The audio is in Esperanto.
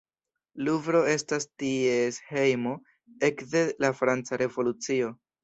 Luvro estas ties hejmo ekde la Franca Revolucio.